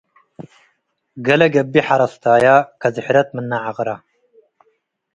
ገሌ ገብእ ሐረስታያ - ከዝሕረት ም’ነ ዐቅራ